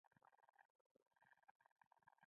محاسبه د انسانانو په ذهن کې محدوده وه.